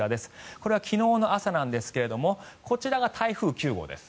これは昨日の朝なんですがこちらが台風９号です。